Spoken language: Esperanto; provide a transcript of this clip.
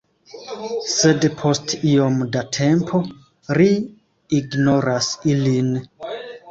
Sed post iom da tempo, ri ignoras ilin.